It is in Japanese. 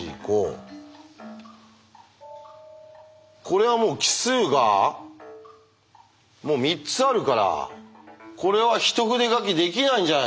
これはもう奇数が３つあるからこれは一筆書きできないんじゃないですか？